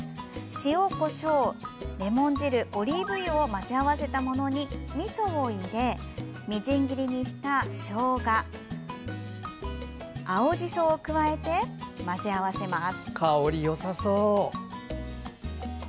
塩、こしょう、レモン汁オリーブ油を混ぜ合わせたものにみそを入れみじん切りにした、しょうが青じそを加えて混ぜ合わせます。